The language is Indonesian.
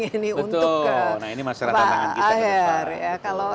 betul ini masyarakat tangan kita